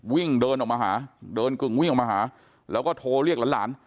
วิ่งเดินออกมาหาเดินกึ่งวิ่งออกมาหาแล้วก็โทรเรียกหลาน